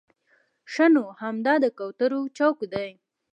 ښه نو همدا د کوترو چوک دی.